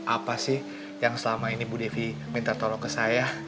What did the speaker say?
apa sih yang selama ini bu devi minta tolong ke saya